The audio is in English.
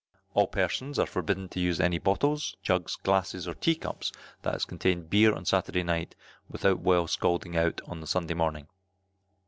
All persons are forbidden to use any bottles, jugs, glasses, or tea cups that has contained beer on Saturday night, without well scalding out on the Sunday morning.